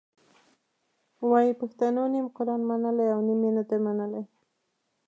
وایي پښتنو نیم قرآن منلی او نیم یې نه دی منلی.